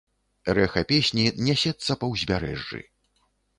Рэха песні нясецца па ўзбярэжжы.